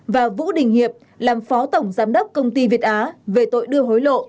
và vũ đình hiệp làm phó tổng giám đốc công ty việt á